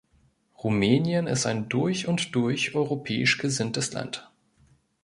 Rumänien ist ein durch und durch europäisch gesinntes Land.